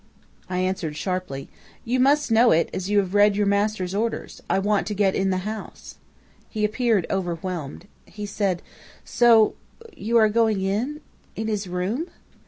"I answered sharply: "'You must know it as you have read your master's orders. I want to get in the house.' "He appeared overwhelmed. He said: "'So you are going in in his room?'